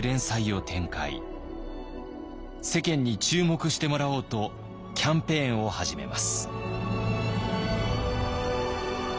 世間に注目してもらおうとキャンペーンを始めます。